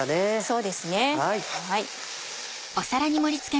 そうですね。